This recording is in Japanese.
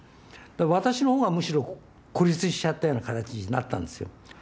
私の方がむしろ孤立しちゃったような形になったんですよ。